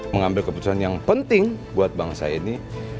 mengambil keputusan yang penting buat bangsa ini